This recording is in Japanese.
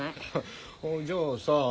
おじゃあさ。